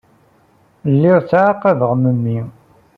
Lliɣ ttɛaqabeɣ memmi.